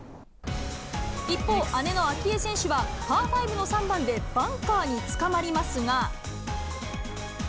一方、姉の明愛選手は、パー５の３番でバンカーにつかまりますが。